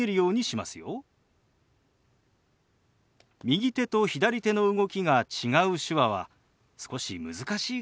右手と左手の動きが違う手話は少し難しいかもしれませんね。